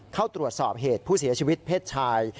เข้าตรวจสอบเหตุผู้เสียชีวิตเพศชาย